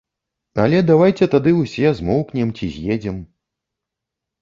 Але давайце тады ўсе змоўкнем ці з'едзем.